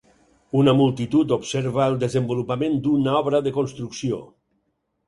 Una multitud observa el desenvolupament d'una obra de construcció.